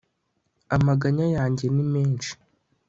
amaganya yanjye ni menshi